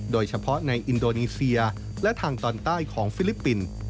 โดยเฉพาะในอินโดนีเซียและทางตอนใต้ของฟิลิปปินส์